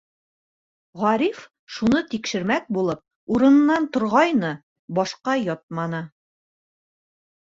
Ғариф шуны тикшермәк булып урынынан торғайны, башҡа ятманы.